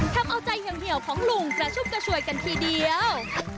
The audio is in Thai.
ทำเอาใจเหี่ยวของลุงและชุบกระชวยกันทีเดียว